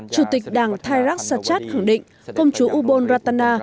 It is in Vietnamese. chủ tịch đảng thái rắc xa chát khẳng định công chúa ubon ratana